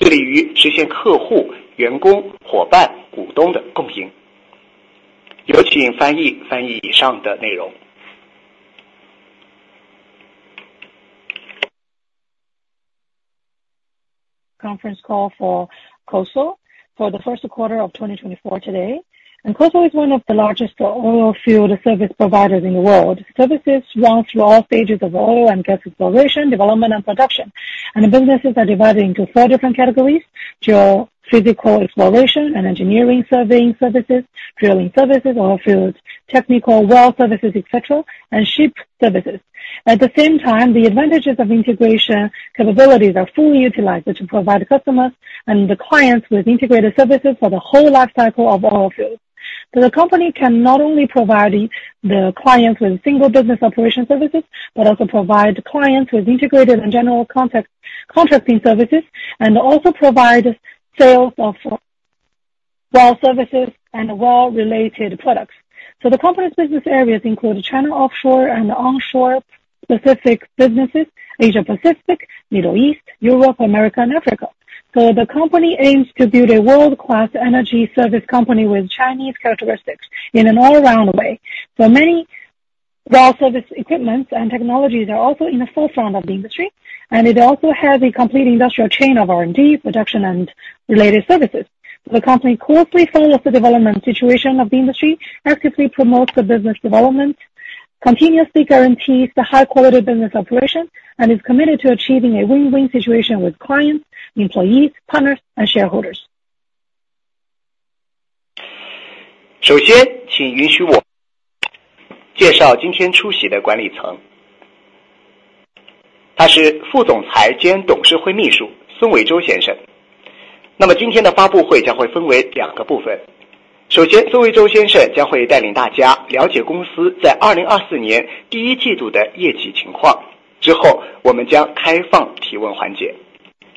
Conference call for COSL for the first quarter of 2024 today. COSL is one of the largest oilfield service providers in the world. Services run through all stages of oil and gas exploration, development and production, and the businesses are divided into four different categories: geophysical exploration and engineering, surveying services, drilling services, oil fields, technical well services, etc., and ship services. At the same time, the advantages of integration capabilities are fully utilized to provide customers and the clients with integrated services for the whole life cycle of oil fields. The company can not only providing the clients with single business operation services, but also provide clients with integrated and general contracting services, and also provide sales of well services and well related products. The company's business areas include China offshore and onshore specific businesses, Asia Pacific, Middle East, Europe, America and Africa. The company aims to build a world class energy service company with Chinese characteristics in an all round way. Many well service equipments and technologies are also in the forefront of the industry, and it also has a complete industrial chain of R&D, production and related services. The company closely follows the development situation of the industry, actively promotes the business development, continuously guarantees the high quality business operation, and is committed to achieving a win-win situation with clients, employees, partners and shareholders. First,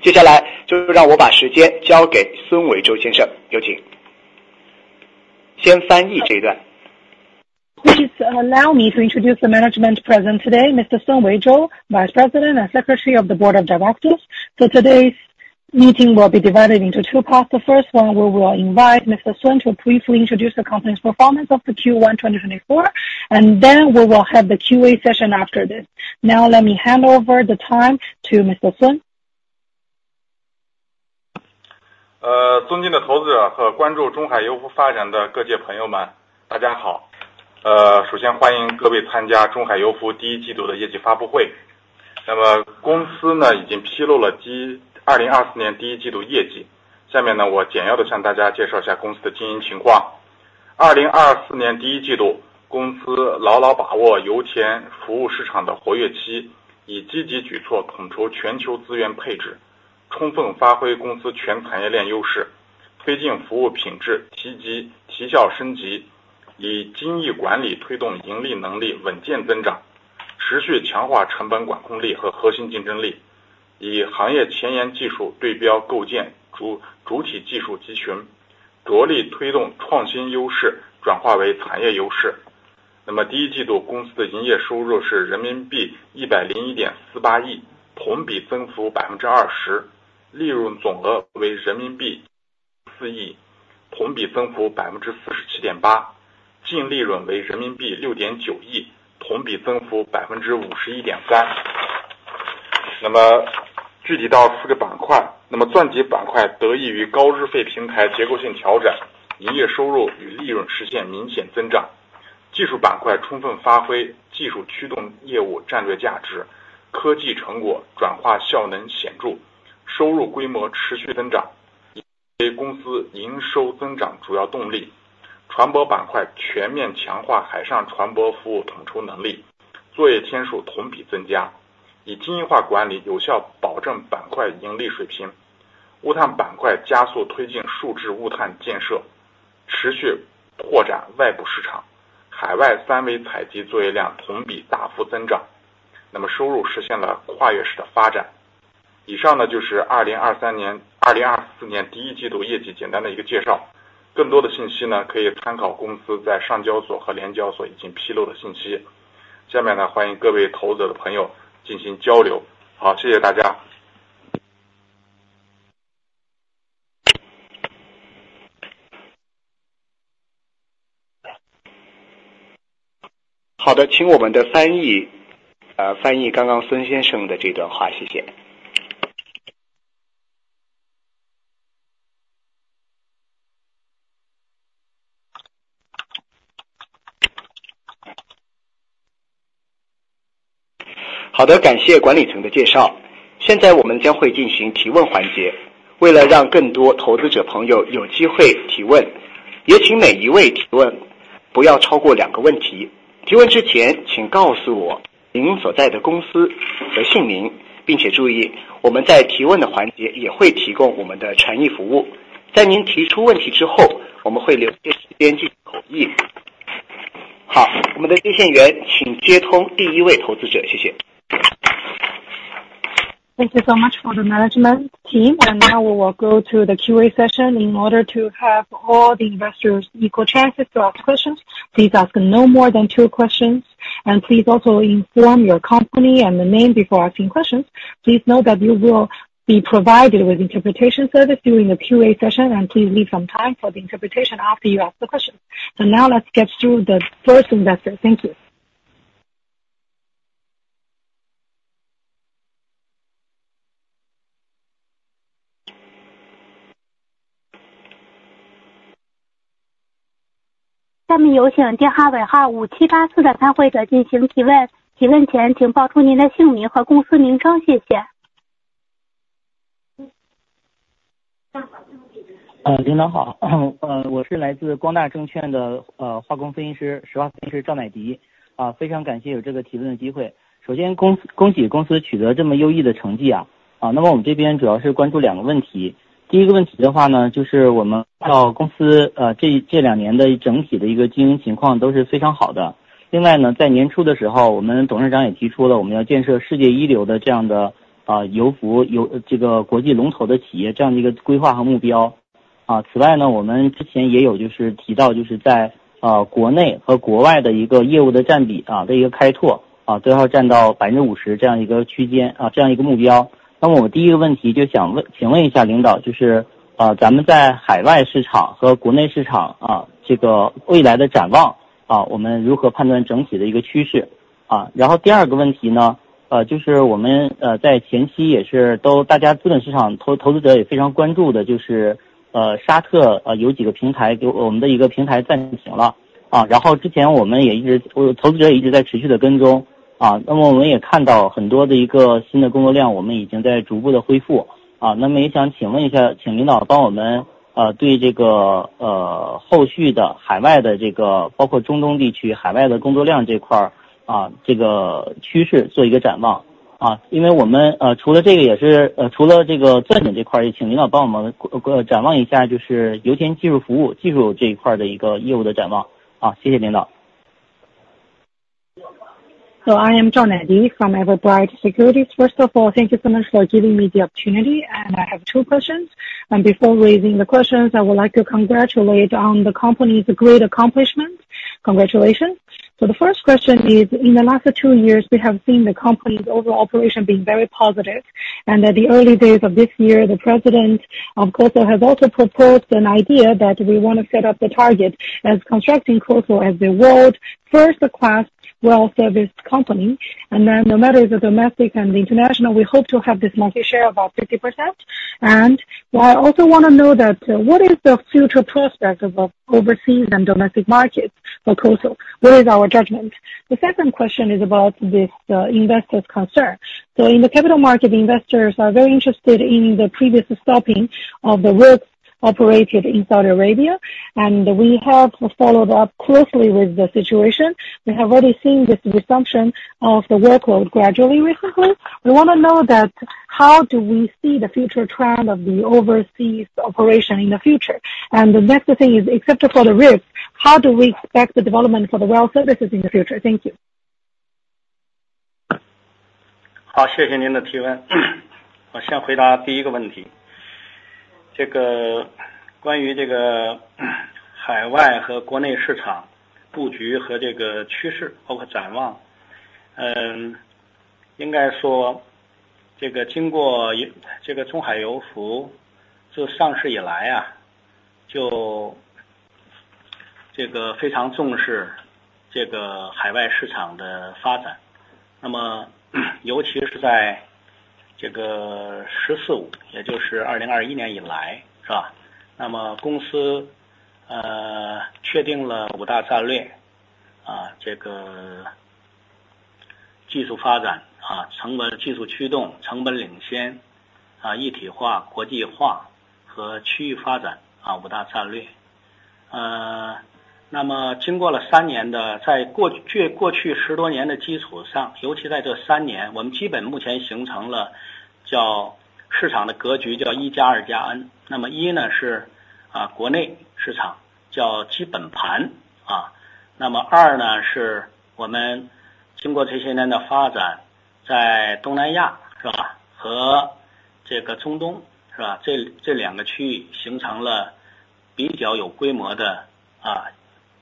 please allow me to introduce the management attending today. He is Vice President and Board Secretary Mr. Sun Weizhou. Then, today's press conference will be divided into two parts. First, Mr. Sun Weizhou will lead everyone to understand the company's performance in the first quarter of 2024. After that, we will open the Q&A session. Next, let me hand the time over to Mr. Sun Weizhou. Please. Please allow me to introduce the management present today, Mr. Sun Weizhou, Vice President and Secretary of the Board of Directors. Today's meeting will be divided into two parts. The first one, we will invite Mr. Sun to briefly introduce the company's performance of the Q1 2024, and then we will have the QA session after this. Now let me hand over the time to Mr. Sun. 101.48亿，同比增幅20%，利润总额为CNY 4亿，同比增幅47.8%，净利润为CNY Thank you so much for the management team. Now we will go to the QA session in order to have all the investors equal chances to ask questions. Please ask no more than two questions, and please also inform your company and your name before asking questions. Please note that you will be provided with interpretation service during the QA session, and please leave some time for the interpretation after you ask the question. So now let's get through the first investor. Thank you. 下面有请电话尾号5784的参会者进行提问。提问前请报出您的姓名和公司名称，谢谢。So I am Zhao Naidi from Everbright Securities. First of all, thank you so much for giving me the opportunity. And I have two questions. And before raising the questions, I would like to congratulate on the company's great accomplishment. Congratulations! So the first question is in the last two years, we have seen the company's overall operation being very positive, and at the early days of this year, the president of course has also proposed an idea that we want to set up the target as constructing COSL as the world's first-class well service company. And then no matter the domestic and international, we hope to have this market share about 50%. And I also want to know that what is the future prospect of overseas and domestic markets for COSL? Where is our judgment? The second question is about this investor's concern. So in the capital market, investors are very interested in the previous stopping of the work operated in Saudi Arabia, and we have followed up closely with the situation. We have already seen this resumption of the workload gradually recently. We want to know that how do we see the future trend of the overseas operation in the future? And the next thing is, except for the risk, how do we expect the development for the well services in the future? Thank you.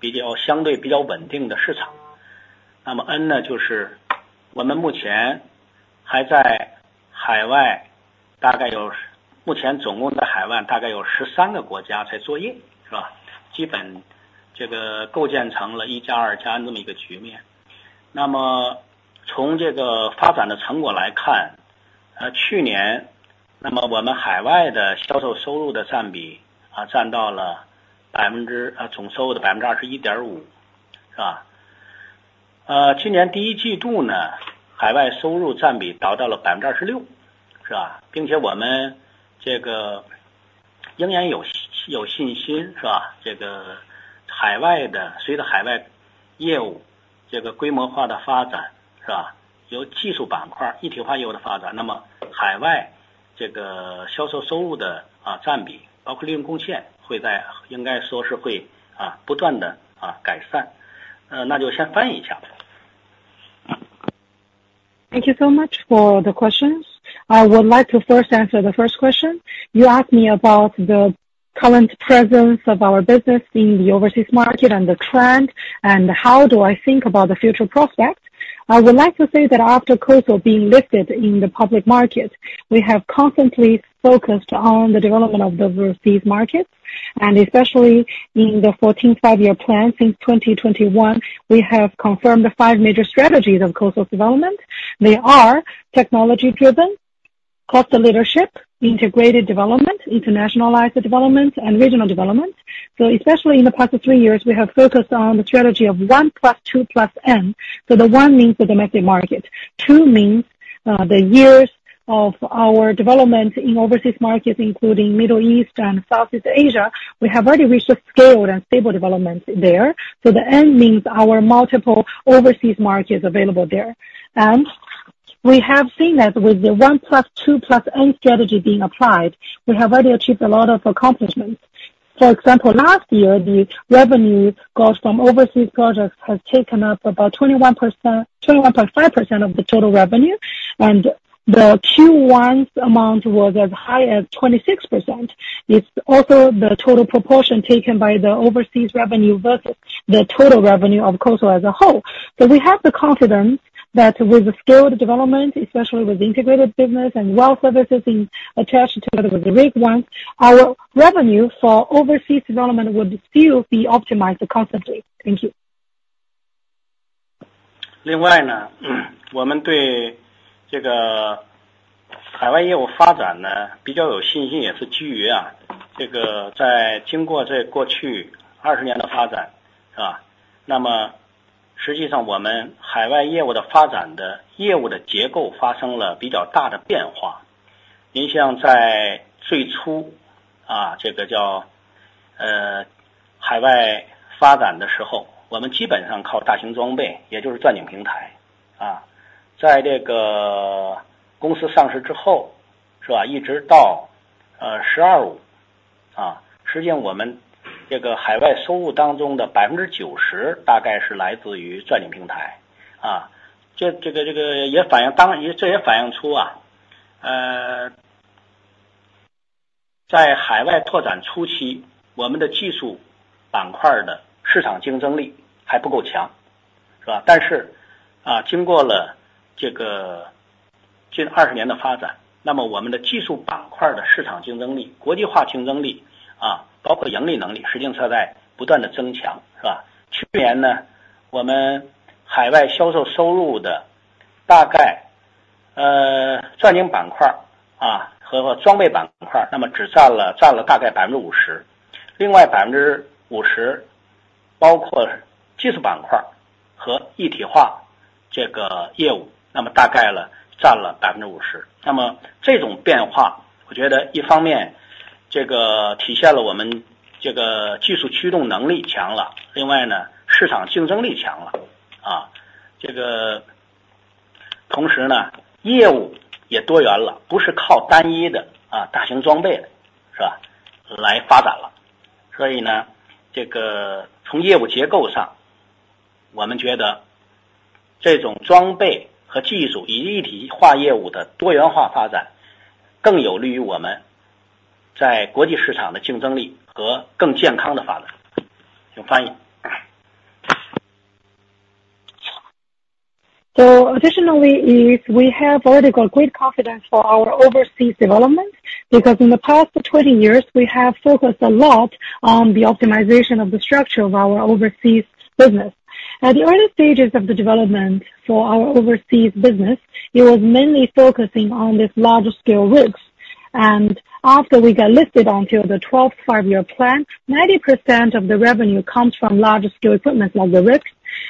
市场的格局叫1+2+N，那么一呢，是啊，国内市场叫基本盘啊，那么二呢，是我们经过这些年的发展，在东南亚是吧，和这个中东是吧，这两区域形成了比较有规模的，比较稳定的市场。那么N呢，就是我们目前总共在海外有13个国家在作业，是吧？基本这个构建成了1+2+N那么一个局面。那么从这个发展的成果来看，去年我们海外的销售收入的占比，占到了总收入的21.5%，是吧？今年第一季度呢，海外收入占比达到了26%，是吧？并且我们这个仍然有信心，是吧？这个海外的，随着海外业务这个规模化的发展，是吧，由技术板块一体化业务的发展，那么海外这个销售收入的占比，包括利润贡献，会不断改善。那就先翻译一下吧。Thank you so much for the questions. I would like to first answer the first question. You asked me about the current presence of our business in the overseas market and the trend, and how do I think about the future prospects? I would like to say that after COSL being listed in the public market, we have constantly focused on the development of the overseas markets, and especially in the 14th Five-Year Plan. Since 2021, we have confirmed the five major strategies of COSL's development. They are technology-driven, cost leadership, integrated development, internationalized development, and regional development. So especially in the past three years, we have focused on the strategy of one plus two plus N. So the one means the domestic market, two means the years of our development in overseas markets, including Middle East and Southeast Asia. We have already reached a scale and stable development there. So the N means our multiple overseas markets available there, and we have seen that with the one plus two plus N strategy being applied, we have already achieved a lot of accomplishments. For example, last year the revenue goes from overseas projects has taken up about 21%, 21.5% of the total revenue, and the Q1's amount was as high as 26%. It's also the total proportion taken by the overseas revenue versus the total revenue of COSL as a whole. So we have the confidence that with the scaled development, especially with integrated business and well services being attached together with the rig ones, our revenue for overseas development would still be optimized constantly. Thank you. So additionally, as we have already got great confidence for our overseas development, because in the past 20 years, we have focused a lot on the optimization of the structure of our overseas business. At the early stages of the development for our overseas business, it was mainly focusing on these larger scale rigs, and after we got listed until the 12th Five-Year Plan, 90% of the revenue comes from large scale equipment like the rigs,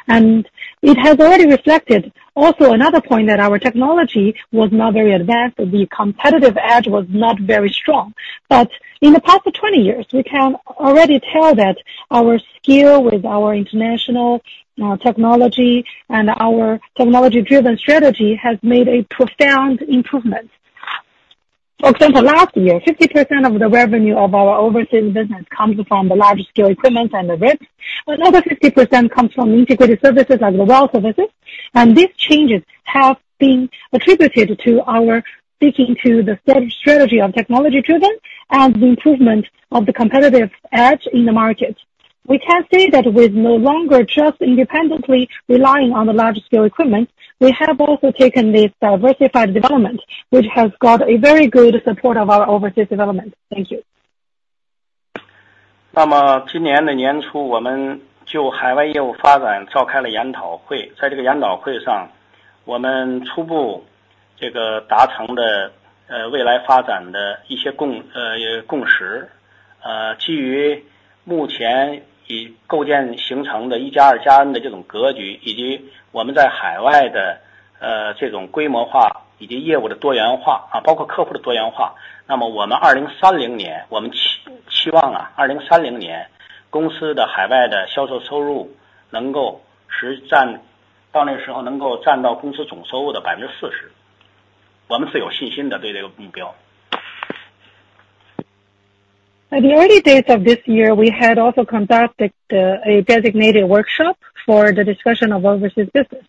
and it has already reflected. Also, another point that our technology was not very advanced. The competitive edge was not very strong. But in the past 20 years, we can already tell that our skill with our international technology and our technology-driven strategy has made a profound improvement.... For example, last year, 50% of the revenue of our overseas business comes from the large-scale equipment and the rigs. Another 50% comes from integrated services and the well services. These changes have been attributed to our sticking to the same strategy of technology-driven and the improvement of the competitive edge in the market. We can say that with no longer just independently relying on the large-scale equipment, we have also taken this diversified development, which has got a very good support of our overseas development. Thank you. At the early days of this year, we had also conducted a designated workshop for the discussion of overseas business.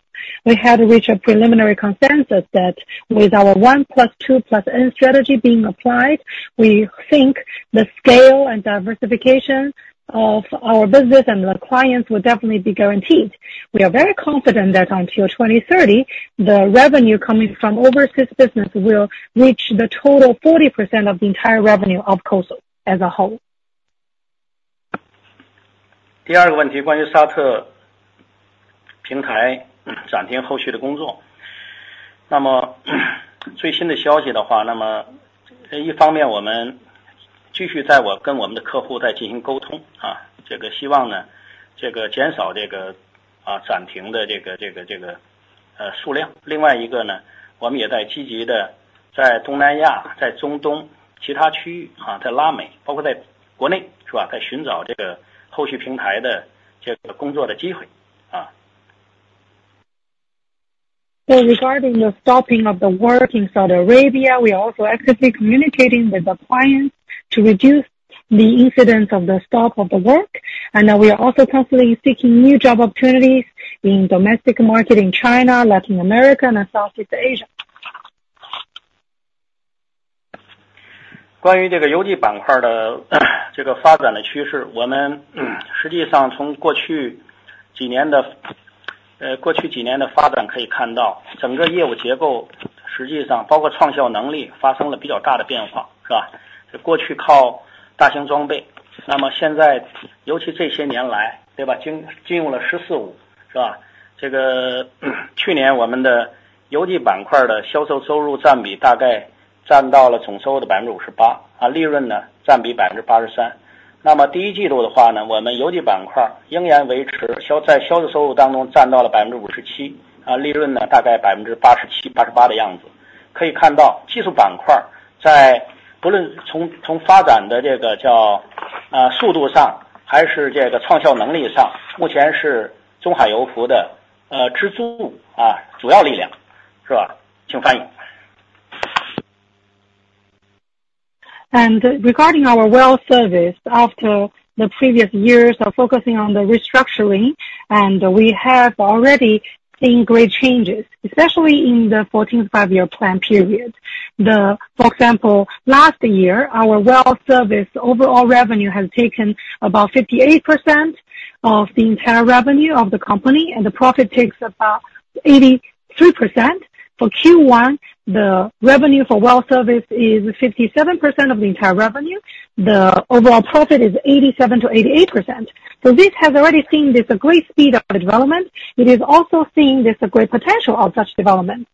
We had reached a preliminary consensus that with our one plus two plus N strategy being applied, we think the scale and diversification of our business and the clients will definitely be guaranteed. We are very confident that until 2030, the revenue coming from overseas business will reach the total 40% of the entire revenue of COSL as a whole. 第二个问题，关于沙特平台暂停后续的工作。那么最新的消息的话，那么一方面我们继续跟我们的客户在进行沟通，啊，希望呢，减少这个，啊暂停的数量。另外一个呢，我们也在积极地在东南亚，在中东其他区域，啊，在拉美，包括在国内，是吧，在寻找这个后续平台的工作的机会，啊。So regarding the stopping of the work in Saudi Arabia, we are also actively communicating with the clients to reduce the incidence of the stop of the work, and we are also constantly seeking new job opportunities in domestic market in China, Latin America and Southeast Asia. Regarding the development trend of this oilfield sector, we can actually see from the development of the past few years that the entire business structure, actually including the efficiency-generating capability, has undergone relatively large changes, right? In the past, it relied on large-scale equipment, the revenue for well service is 57% of the entire revenue. The overall profit is 87%-88%. So this has already seen this a great speed of development. It is also seeing there's a great potential of such development.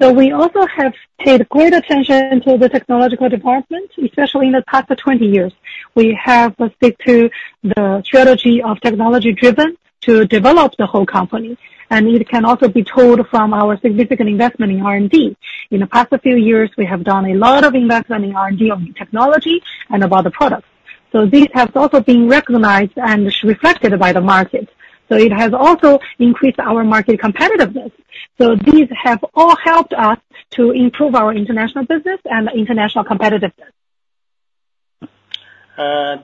So we also have paid great attention to the technological development, especially in the past 20 years. We have stick to the strategy of technology driven to develop the whole company, and it can also be told from our significant investment in R&D. In the past few years, we have done a lot of investment in R&D, on technology and about the products. So this has also been recognized and reflected by the market. So it has also increased our market competitiveness. So these have all helped us to improve our international business and international competitiveness....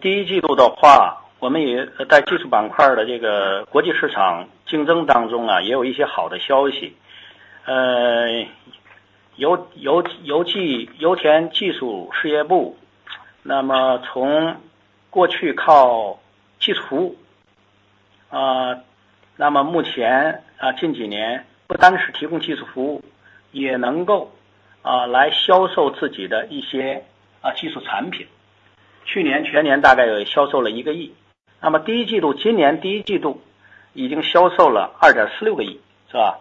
第一季度的话，我们也在技术板块的这个国际市场竞争当中，也有一些好的消息。油田技术事业部，那么从过去靠技术服务，那么目前，近几年不单是提供技术服务，也能够来销售自己的这一些技术产品。去年全年大概销售了 CNY 1 亿，那么第一季度，今年第一季度已经销售了 CNY 2.46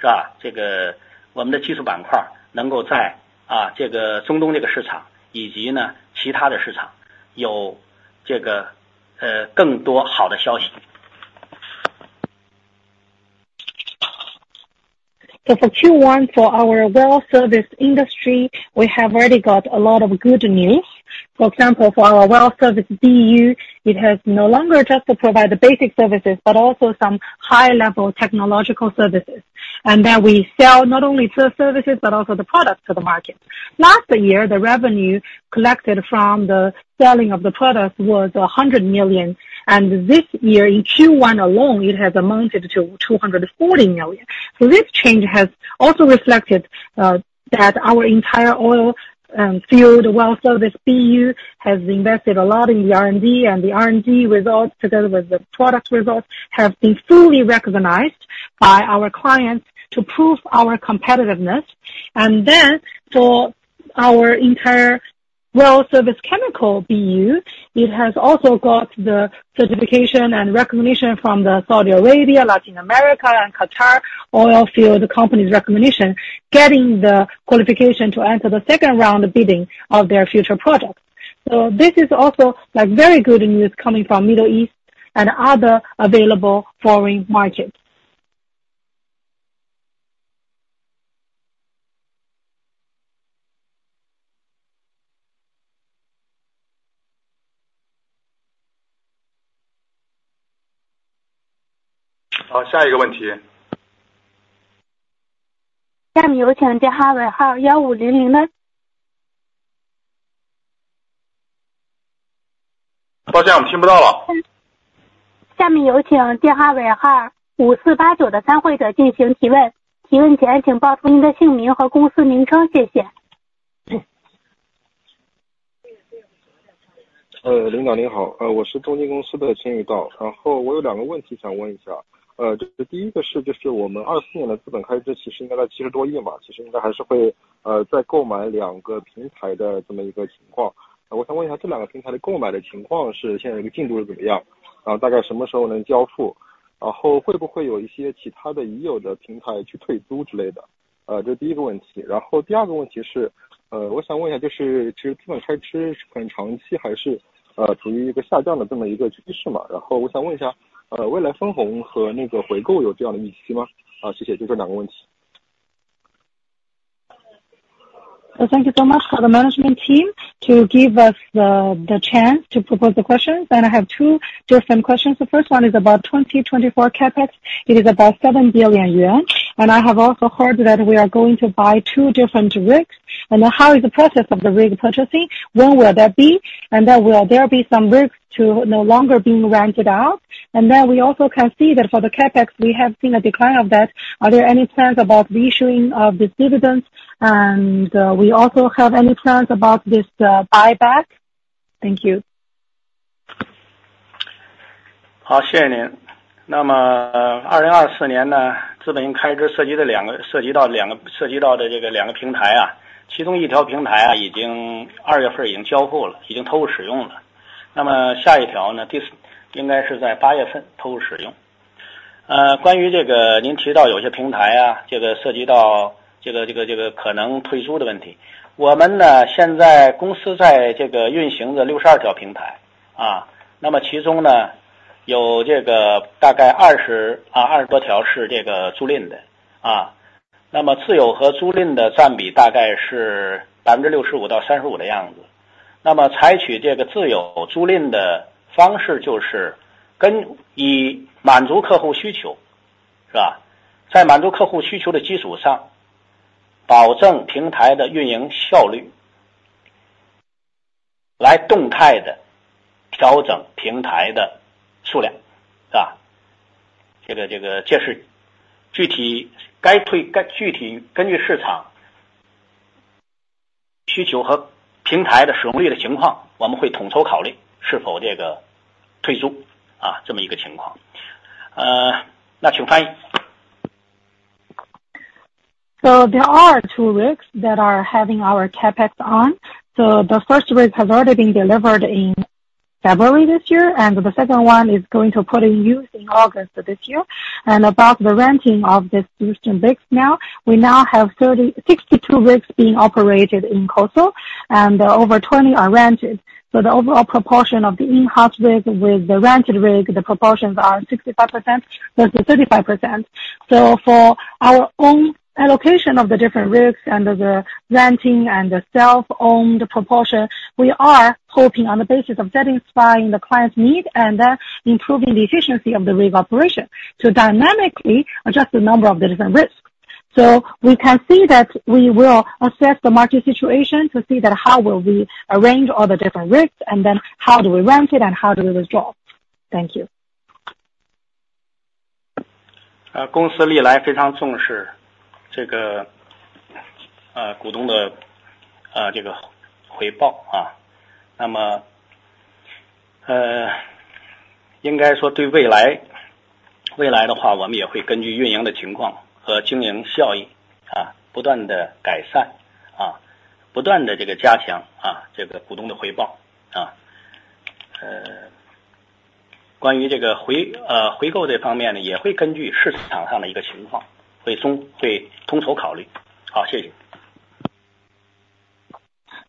So for Q1 for our well service industry, we have already got a lot of good news. For example, for our well service BU, it has no longer just to provide the basic services, but also some high level technological services, and that we sell not only to the services, but also the products to the market. Last year, the revenue collected from the selling of the product was 100 million, and this year in Q1 alone, it has amounted to 240 million. So this change has also reflected that our entire oil field well service BU has invested a lot in the R&D, and the R&D results, together with the product results, have been fully recognized by our clients to prove our competitiveness. And then for our entire Well Services chemical BU, it has also got the certification and recognition from the Saudi Arabia, Latin America and Qatar oil field companies recognition, getting the qualification to enter the second round of bidding of their future products. So this is also a very good news coming from Middle East and other available foreign markets. 好，下一个问题。下面有请电话尾号1500的。抱歉，我们听不到了。下面有请电话尾号5489的参会者进行提问，提问前请报出您的姓名和公司名称，谢谢。领导您好，我是中金公司的秦玉道，然后我有两个问题想问一下，就是第一个是就是我们2024年的资本开支其实应该在CNY Thank you so much for the management team to give us the chance to propose the questions. And I have two different questions. The first one is about 2024 CapEx. It is about 7 billion yuan and I have also heard that we are going to buy 2 different rigs. And how is the process of the rig purchasing? When will that be? And then will there be some rigs to no longer being rented out? And then we also can see that for the CapEx we have seen a decline of that. Are there any plans about reissuing of this dividends? And we also have any plans about this buyback? Thank you. ...So there are 2 rigs that are having our CapEx on. So the first rig has already been delivered in February this year, and the second one is going to put in use in August of this year. And about the renting of these two rigs now, we now have 36, two rigs being operated in COSL and over 20 are rented. So the overall proportion of the in-house rig with the rented rig, the proportions are 65% versus 35%. So for our own allocation of the different rigs and the renting and the self-owned proportion, we are hoping on the basis of satisfying the client's need and then improving the efficiency of the rig operation to dynamically adjust the number of the different rigs. So we can see that we will assess the market situation to see that how will we arrange all the different rigs, and then how do we rent it and how do we withdraw? Thank you. So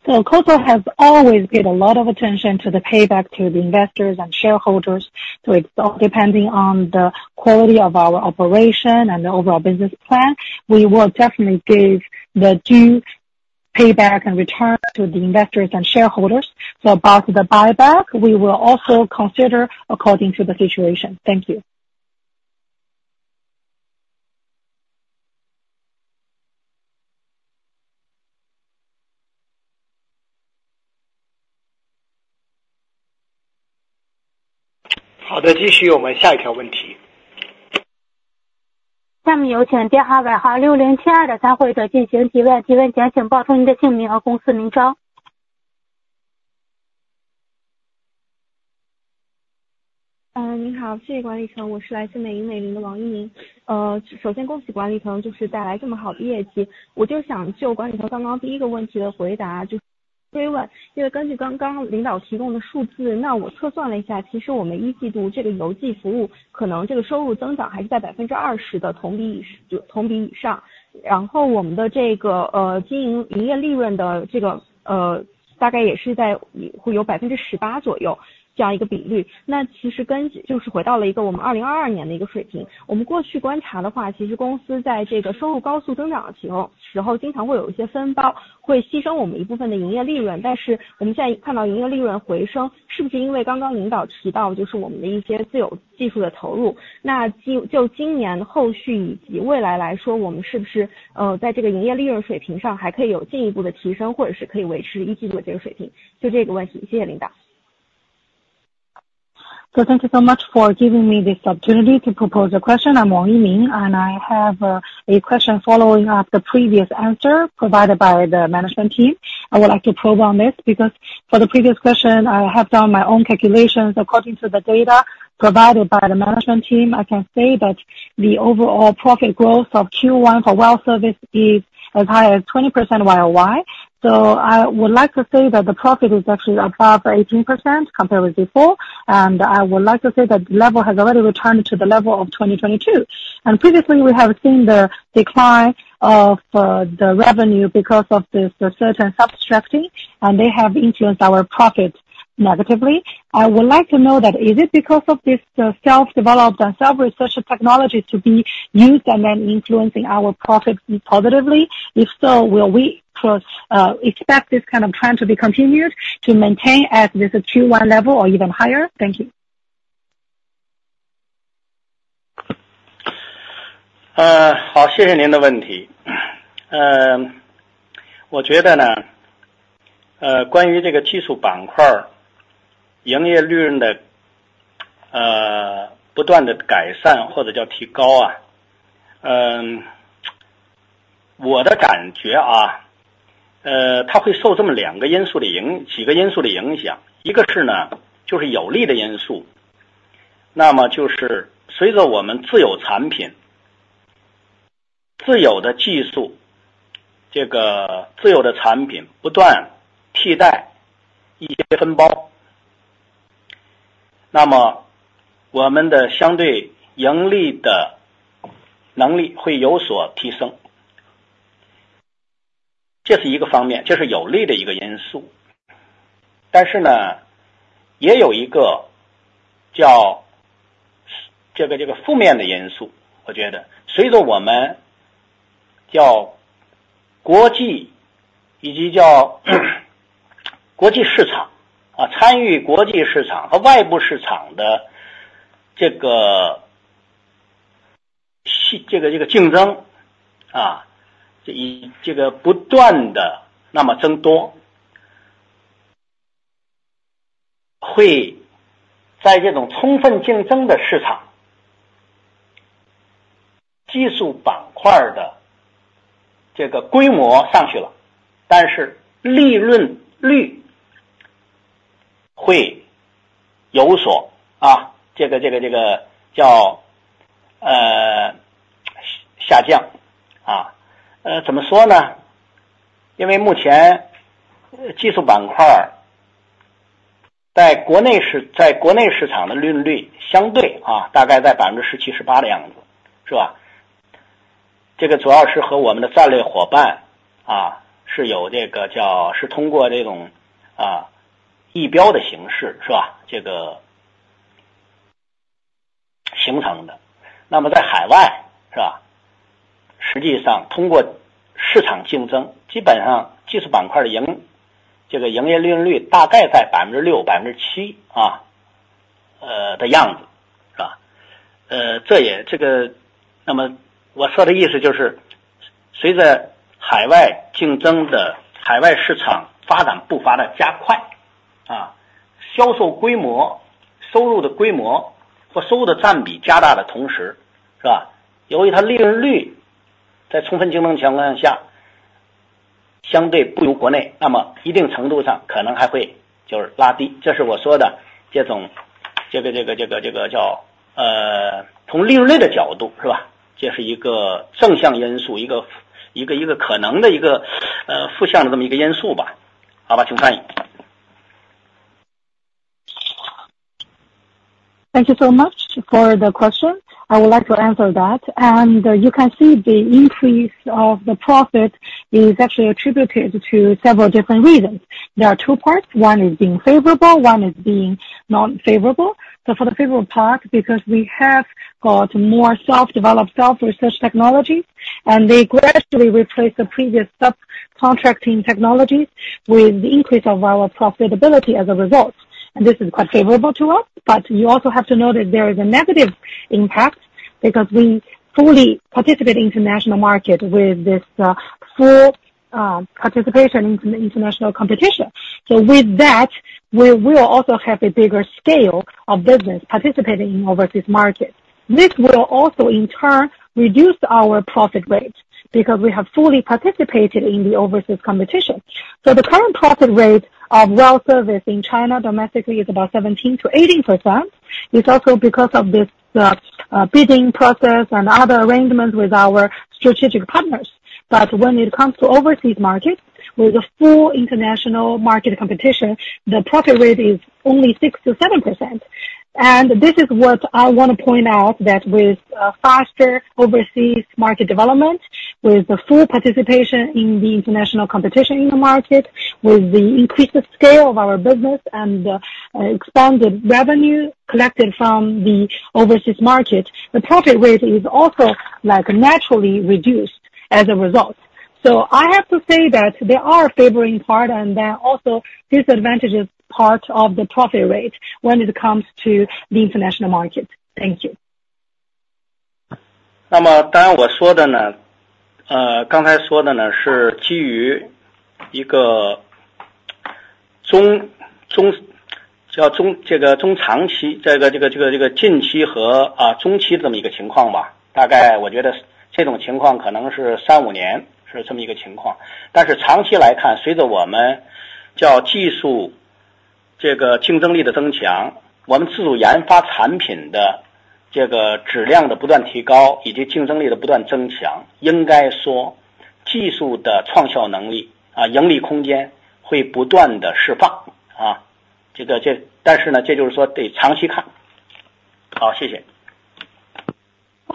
COSL has always paid a lot of attention to the payback to the investors and shareholders. So it's all depending on the quality of our operation and the overall business plan. We will definitely give the due payback and return to the investors and shareholders. So about the buyback, we will also consider according to the situation. Thank you. 好的，继续我们下一条问题。下面有请电话号码6072的参会者进行提问，提问前请报出您的姓名和公司名称。So thank you so much for giving me this opportunity to propose a question. I'm Wang Yiming, and I have a question following up the previous answer provided by the management team. I would like to probe on this, because for the previous question, I have done my own calculations according to the data provided by the management team. I can say that the overall profit growth of Q1 for well service is as high as 20% YOY, so I would like to say that the profit is actually above 18% compared with before, and I would like to say that level has already returned to the level of 2022. And previously, we have seen the decline of the revenue because of the certain subtracting, and they have influenced our profit negatively. I would like to know that is it because of this self-developed and self-researched technology to be used and then influencing our profit positively? If so, will we also expect this kind of trend to be continued to maintain at this Q1 level or even higher? Thank you. 度，这是一个正向因素，一个可能的负向因素吧。好吧，请翻译。Thank you so much for the question. I would like to answer that. You can see the increase of the profit is actually attributed to several different reasons. There are two parts. One is being favorable, one is being not favorable. So for the favorable part, because we have got more self-developed self-research technology, and they gradually replaced the previous subcontracting technology with the increase of our profitability as a result, and this is quite favorable to us. But you also have to know that there is a negative impact, because we fully participate in international market with this, full participation in international competition. So with that, we will also have a bigger scale of business participating in overseas markets. This will also in turn reduce our profit rates, because we have fully participated in the overseas competition. So the current profit rate of well service in China domestically is about 17%-18%. It's also because of this, bidding process and other arrangements with our strategic partners. But when it comes to overseas markets, with the full international market competition, the profit rate is only 6%-7%. And this is what I want to point out, that with a faster overseas market development, with the full participation in the international competition in the market, with the increased scale of our business and the expanded revenue collected from the overseas market, the profit rate is also like naturally reduced as a result. So I have to say that there are favoring part and there are also disadvantages part of the profit rate when it comes to the international market. Thank you.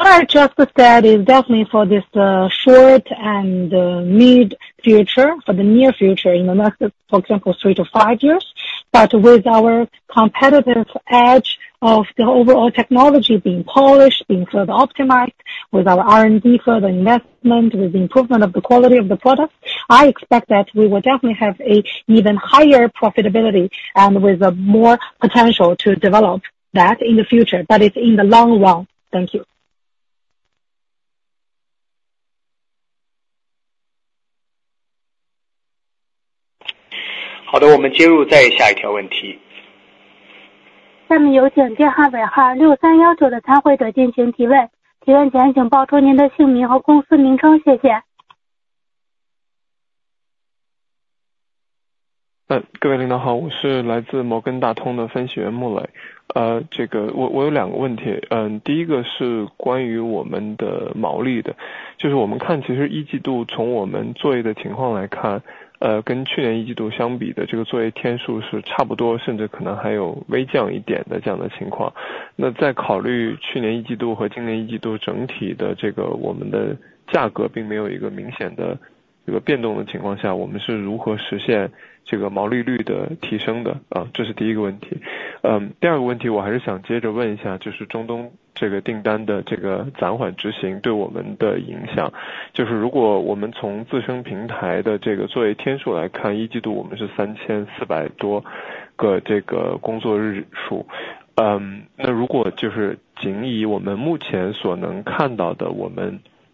What I just said is definitely for this short and mid future, for the near future, in the next, for example, 3-5 years. But with our competitive edge of the overall technology being polished, being further optimized with our R&D, further investment, with the improvement of the quality of the product, I expect that we will definitely have a even higher profitability and with a more potential to develop that in the future, but it's in the long run. Thank you. 好的，我们接入下一条问题。下面有请电话尾号6319的参会者进行提问，提问前请报出您的姓名和公司名称，谢谢。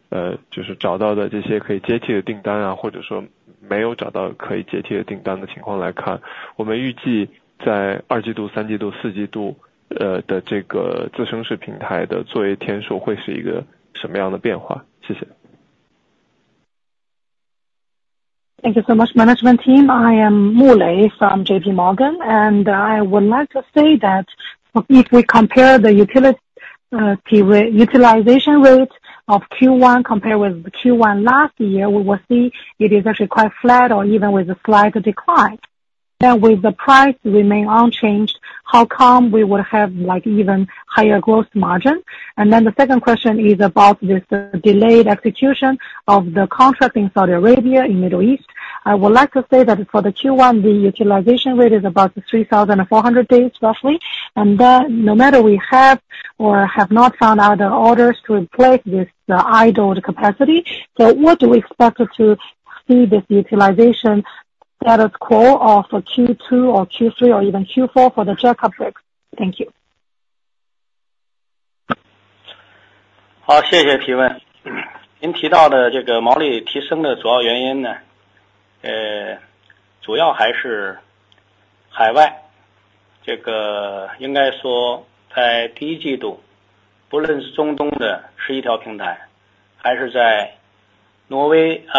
...Thank you so much, management team. I am Mu Lei from JP Morgan, and I would like to say that if we compare the utilization rate of Q1 compared with Q1 last year, we will see it is actually quite flat or even with a slight decline. Then with the price remain unchanged, how come we would have like even higher growth margin? And then the second question is about this delayed execution of the contract in Saudi Arabia in Middle East. I would like to say that for the Q1, the utilization rate is about 3,400 days, roughly, and then no matter we have or have not found other orders to replace this idled capacity, so what do we expected to see this utilization status quo of Q2 or Q3 or even Q4 for the Jackup rig? Thank you. 好，谢谢提问。您提到的这个毛利提升的主要原因呢，主要还是海外，这个应该说在第一季度，不论是中东的11条平台，还是在挪威，还是在这个北海的自升式，那个半潜式平台，同比去年第一季度应该都有比较大幅度的，这个使用率上面的提高。好吧，这是您第一个问题。So for the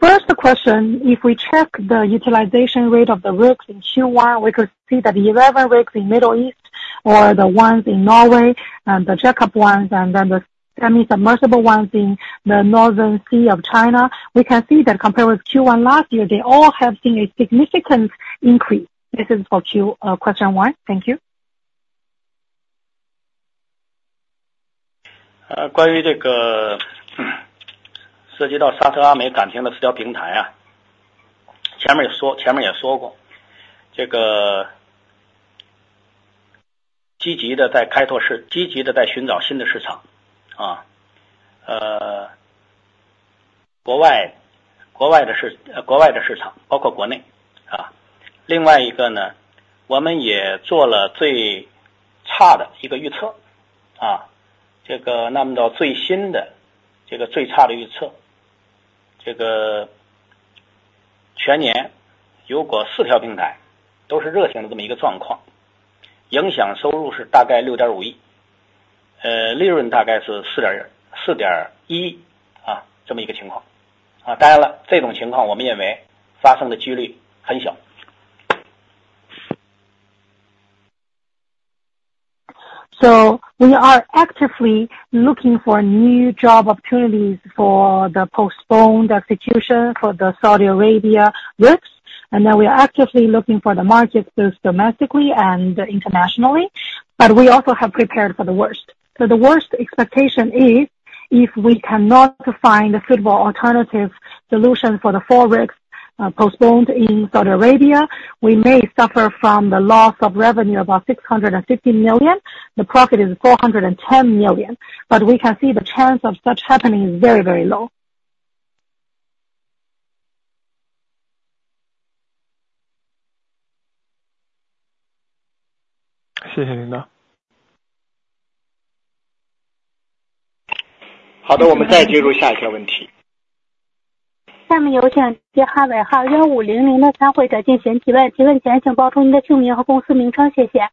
first question, if we check the utilization rate of the rigs in Q1, we could see that 11 rigs in Middle East, the ones in Norway, and the jackup ones, and then the semi-submersible ones in the northern sea of China, we can see that compared with Q1 last year, they all have seen a significant increase. This is for Q1 question one. Thank you. 关于这个，涉及到沙特阿美暂停的四条平台，前面也说，前面也说过，这个... 积极地在开拓市场，积极地在寻找新的市场。国外的市场，包括国内。另外，我们也做了最差的一个预测，到最新的最差预测，全年如果4条平台都是热停的这么一个状况，影响收入大概CNY 650 million，利润大概是CNY 441 million，这么一个情况。当然，这种情况我们认为发生的几率很小。So we are actively looking for new job opportunities for the postponed execution for the Saudi Arabia rigs, and then we are actively looking for the markets, both domestically and internationally. But we also have prepared for the worst. So the worst expectation is if we cannot find a suitable alternative solution for the four rigs postponed in Saudi Arabia, we may suffer from the loss of revenue about 650 million, the profit is 410 million, but we can see the chance of such happening is very, very low. Xie xie ling dao. 好的，我们再接入下一条问题。下面有请接入哈伟哈500的参会者进行提问，提问前请报出您的姓名和公司名称，谢谢。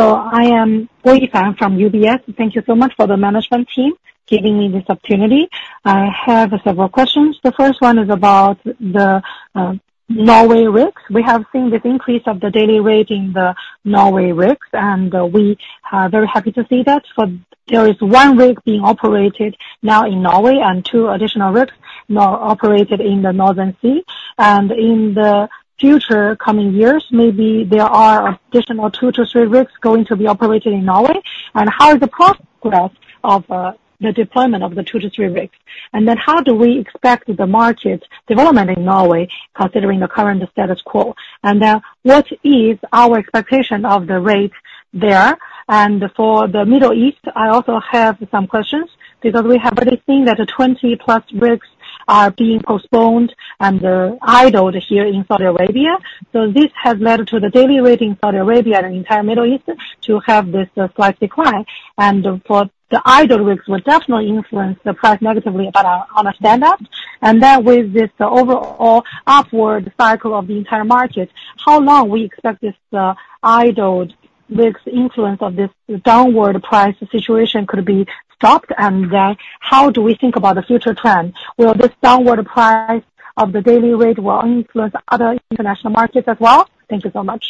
I am Guo Yifan from UBS. Thank you so much for the management team giving me this opportunity. I have several questions. The first one is about the Norway rig. We have seen this increase of the daily rate in the Norway rigs, and we are very happy to see that there is 1 rig being operated now in Norway, and 2 additional rigs now operated in the North Sea, and in the future coming years, maybe there are additional 2-3 rigs going to be operated in Norway. How is the progress of the deployment of the 2-3 rigs? And then how do we expect the market development in Norway, considering the current status quo? And then what is our expectation of the rate there? For the Middle East, I also have some questions, because we have already seen that the 20+ rigs are being postponed and idled here in Saudi Arabia. So this has led to the daily rate in Saudi Arabia and entire Middle East to have this slight decline, and for the idle rigs will definitely influence the price negatively. But on, on a stand up, and then with this overall upward cycle of the entire market, how long we expect this idled this influence of this downward price situation could be stopped? And then how do we think about the future trend? Will this downward price of the daily rate will influence other international markets as well? Thank you so much.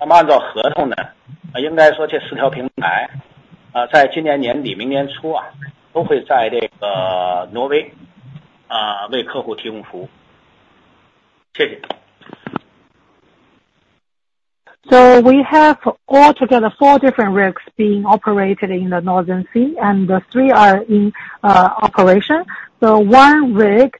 So we have all together four different rigs being operated in the North Sea, and the three are in operation. One rig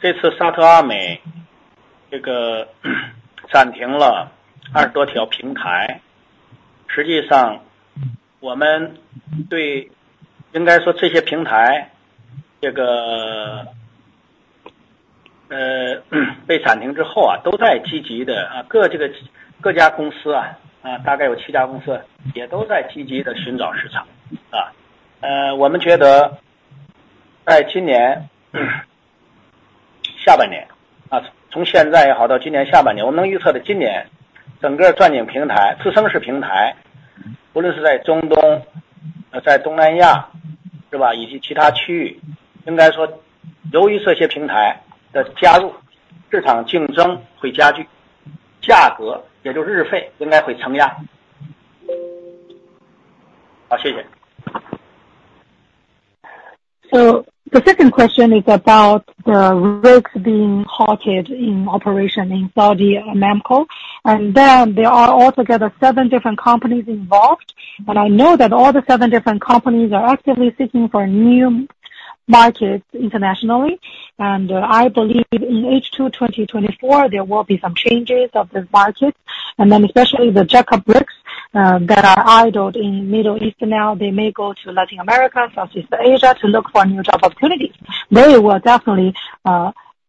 day rates should be under pressure. Okay, thank you. The second question is about the rigs being halted in operation in Saudi Aramco, and then there are altogether seven different companies involved, and I know that all the seven different companies are actively seeking for new markets internationally. I believe in H2 2024, there will be some changes of this market, and then especially the jackup rigs that are idled in Middle East, now they may go to Latin America, Southeast Asia to look for new job opportunities. They will definitely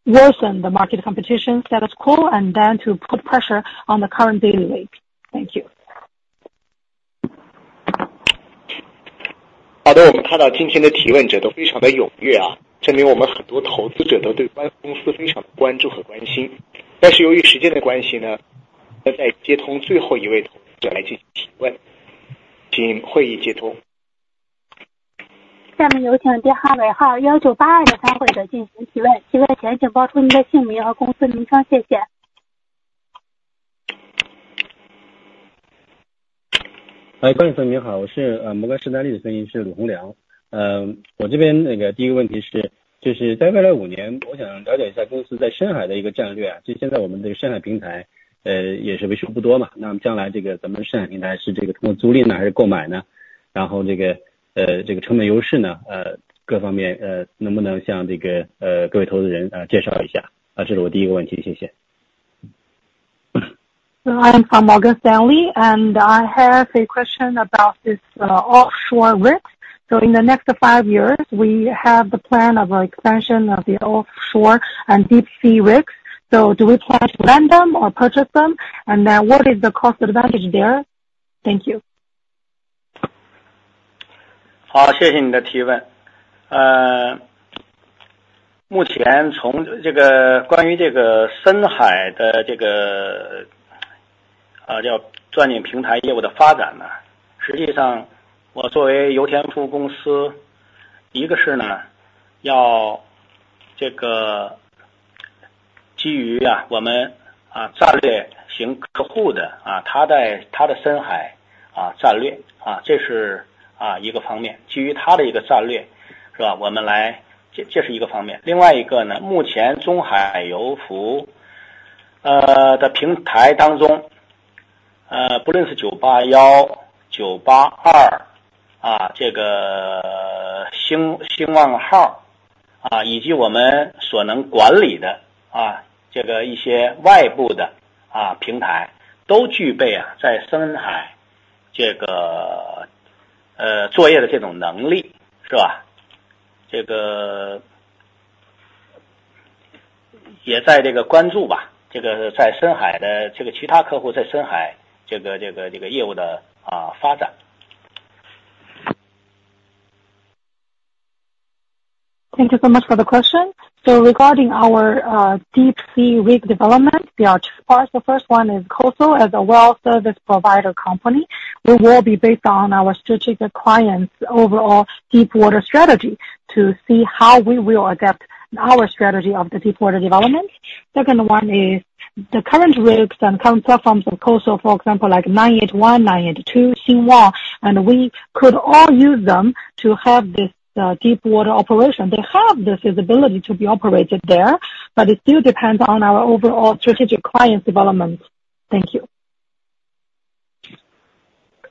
worsen the market competition status quo and then to put pressure on the current daily rate. Thank you. 好的，我们看到今天的提问者都非常的踊跃啊，证明我们很多投资者都对公司非常的关注和关心，但是由于时间的关系呢，再接通最后一位投资者来进行提问。请会议接通。下面有请电话尾号1982的投资者进行提问，提问前请报出您的姓名以及公司名称，谢谢。各位投资者好，我是摩根士丹利的分析师鲁宏良，我这边第一个问题是，就是在未来5年，我想了解一下公司在深海的一个战略，就现在我们这个深海平台，也是维修不多，那么将来这个咱们深海平台是通过租赁还是购买呢？然后这个，这个成本优势呢，各方面，能不能向各位投资人介绍一下？这是我第一个问题，谢谢。I am from Morgan Stanley, and I have a question about this offshore rigs. So in the next five years, we have the plan of expansion of the offshore and deep sea rigs, so do we plan to rent them or purchase them? And then what is the cost advantage there? Thank you. 好，谢谢你的提问。目前从这个关于深海的，叫钻井平台业务的发展呢，实际上我作为油田服务公司，一个是呢，要这个基于，我们战略型客户的，他 Thank you so much for the question. So regarding our deep sea rig development, there are two parts. The first one is COSL as a well service provider company. We will be based on our strategic clients' overall deepwater strategy to see how we will adapt our strategy of the deepwater development. Second one is the current rigs and current platforms of COSL, for example, like 981, 982, Xingwang, and we could all use them to have this deepwater operation. They have this ability to be operated there, but it still depends on our overall strategic clients development. Thank you.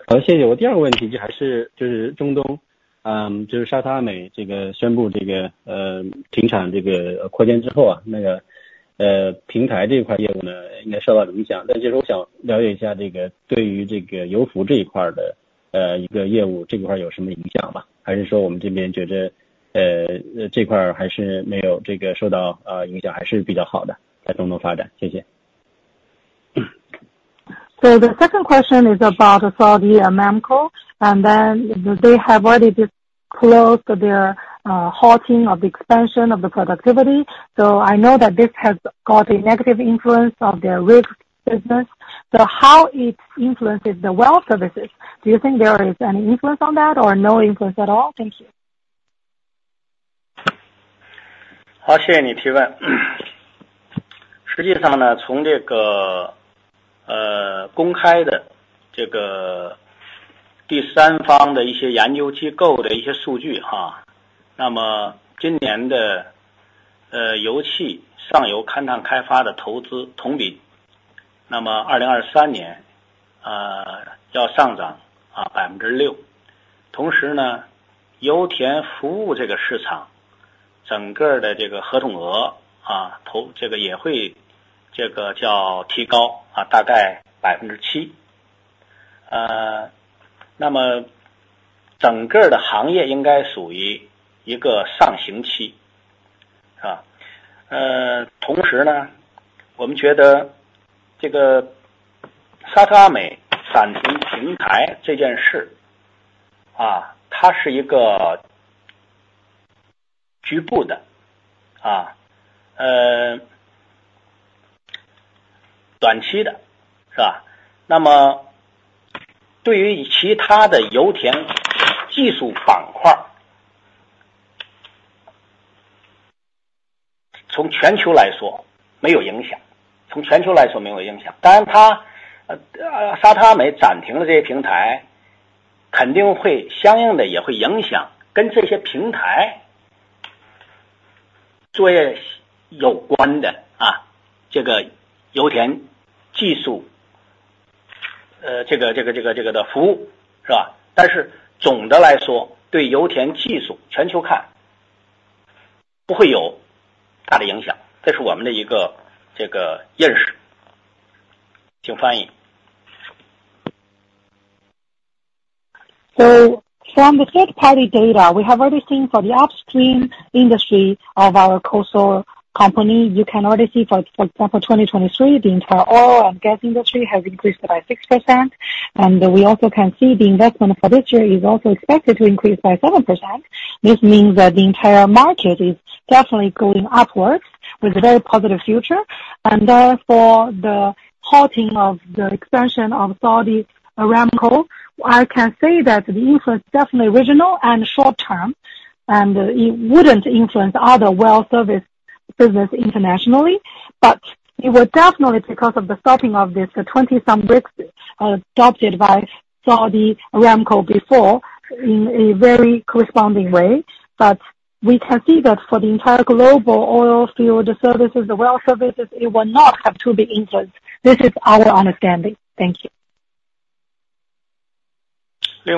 好，谢谢。我第二个问题还是中东，就是沙特阿美这个宣布这个停产扩建之后，那个，平台这一块业务呢，应该受到影响。其实我想了解一下，这个对于这个油服这一块的，一个业务这一块有什么影响吗？还是说我们这边觉得，这块还是没有这个受到，影响，还是比较好的，在中东发展，谢谢。The second question is about Saudi Aramco, and then they have already just closed their halting of the expansion of the productivity. So I know that this has got a negative influence on their rig business. So how it influences the well services? Do you think there is any influence on that or no influence at all? Thank you. Okay, thank you for your question. Actually, from the public third-party research institutions' data, then this year's oil and gas upstream exploration and development investment year-over-year, then 2023 will increase 6%. At the same time, the oilfield services market overall contract amount will also increase about 7%. Then the entire industry should belong to an upward period, right? At the same time, we think this Saudi Aramco suspend platform matter, it is a local, short-term, right? Then for the other oilfield technical segments, from global no impact, from global no impact. Of course it, Saudi Aramco suspended these platforms, definitely will correspondingly also impact the related to these platform operations, this oilfield technical, this, this services, right? But overall, for oilfield technical global will not have big impact, this is our one recognition. Please translate. So from the third party data, we have already seen for the upstream industry of our COSL company, you can already see for, for example, 2023, the entire oil and gas industry has increased by 6%, and we also can see the investment for this year is also expected to increase by 7%. This means that the entire market is definitely going upwards with a very positive future, and therefore the halting of the expansion of Saudi Aramco. I can say that the influence definitely regional and short term, and it wouldn't influence other well service business internationally, but it will definitely because of the stopping of this 20-some rigs adopted by Saudi Aramco before in a very corresponding way. But we can see that for the entire global oil field services, the well services, it will not have too big influence. This is our understanding. Thank you.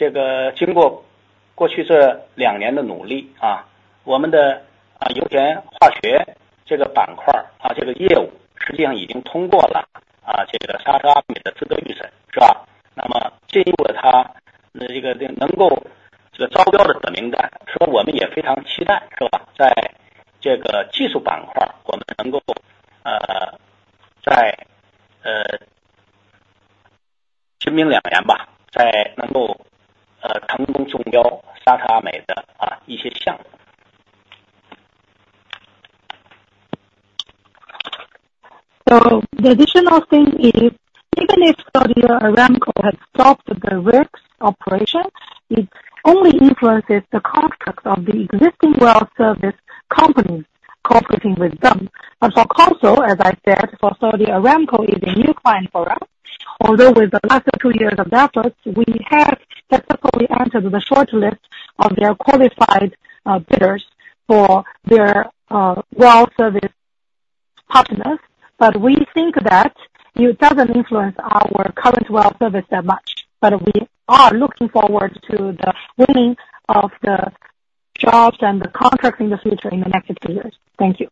So the additional thing is, even if Saudi Aramco had stopped the rigs operation, it only influences the contracts of the existing well service companies cooperating with them. And for COSL, as I said, for Saudi Aramco is a new client for us. Although with the last two years of efforts, we have successfully entered the shortlist of their qualified bidders for their well service partners. But we think that it doesn't influence our current well service that much, but we are looking forward to the winning of the jobs and the contracts in the future in the next few years. Thank you.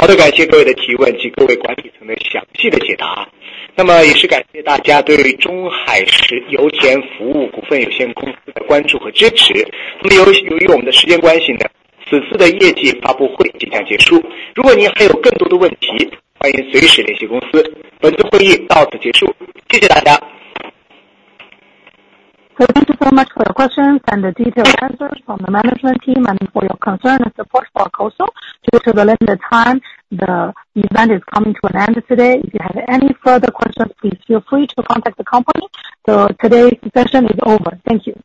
好的，感谢各位的提问及各位管理层的详细的解答。那么也是感谢大家对于中海油田服务股份有限公司的关注和支持。那么由于，由于我们的时间关系呢，此次的业绩发布会即将结束，如果您还有更多的问题，欢迎随时联系公司。本次会议到此结束，谢谢大家！ Thank you so much for your questions and the detailed answers from the management team and for your concern and support for COSL. Due to the limited time, the event is coming to an end today. If you have any further questions, please feel free to contact the company. Today's session is over. Thank you.